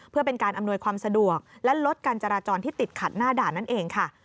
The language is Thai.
เพื่อเป็นการอำนวยความสะดวกและลดการจราจรที่ติดขัดหน้าด่านนั่นเองค่ะ